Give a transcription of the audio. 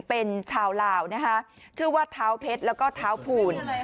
เป็นชาวลาวนะคะชื่อว่าเท้าเพชรแล้วก็เท้าภูล